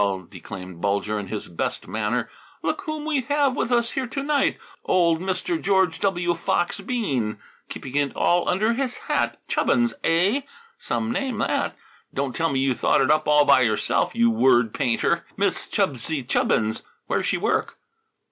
declaimed Bulger in his best manner. "Look whom we have with us here to night! Old Mr. George W. Fox Bean, keeping it all under his hat. Chubbins, eh? Some name, that! Don't tell me you thought it up all by yourself, you word painter! Miss Chubbsy Chubbins! Where's she work?"